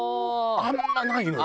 あんまないのよ。